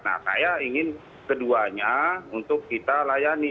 nah saya ingin keduanya untuk kita layani